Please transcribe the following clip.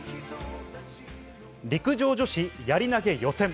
陸上女子やり投げ予選。